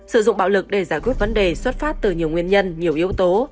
sử dụng bạo lực để giải quyết vấn đề xuất phát từ nhiều nguyên nhân nhiều yếu tố